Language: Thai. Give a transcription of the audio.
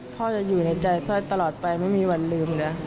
พ่อจะอยู่ในใจสร้อยตลอดไปไม่มีวันลืมนะ